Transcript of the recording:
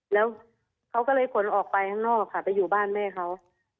แล้วเขาก็เลยขนออกไปข้างนอกค่ะไปอยู่บ้านแม่เขา